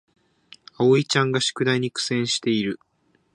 あおいちゃんが宿題に苦戦している